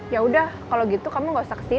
yaudah kalau gitu kamu nggak usah kesini